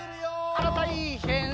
あらたいへん。